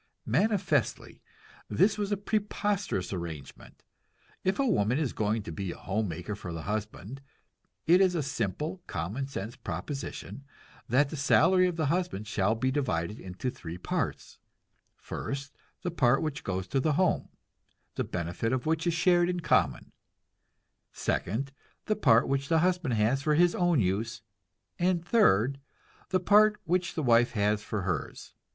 Manifestly, this was a preposterous arrangement. If a woman is going to be a home maker for a husband, it is a simple, common sense proposition that the salary of the husband shall be divided into three parts first, the part which goes to the home, the benefit of which is shared in common; second, the part which the husband has for his own use; and third, the part which the wife has for hers.